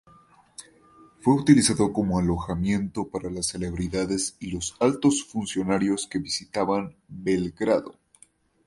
Fue utilizado como alojamiento para las celebridades y los altos funcionarios que visitaban Belgrado.